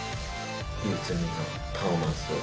唯一無二のパフォーマンスを。